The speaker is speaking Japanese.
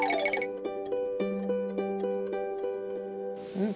うん！